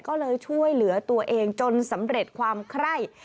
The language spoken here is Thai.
ก็เลยช่วยเหลือตัวเองจนสำเร็จความไคร่